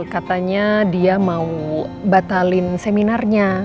katanya dia mau batalin seminarnya